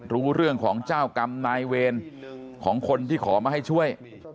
รู้เรื่องของเจ้ากรรมนายเวรของคนที่ขอมาให้ช่วย